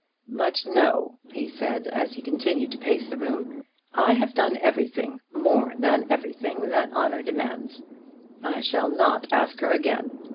"But no," he said, as he continued to pace the room, "I have done everything, more than everything that honour demands. I shall not ask her again.